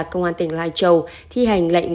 công an tỉnh lai châu thi hành lệnh